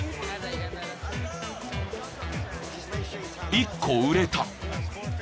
［１個売れた］